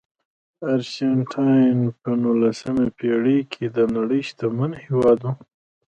ارجنټاین په نولسمه پېړۍ کې د نړۍ شتمن هېواد و.